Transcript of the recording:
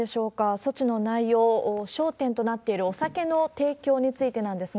措置の内容、焦点となっているお酒の提供についてなんですが。